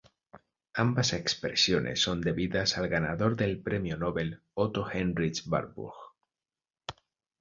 Ambas expresiones son debidas al ganador del premio Nobel Otto Heinrich Warburg.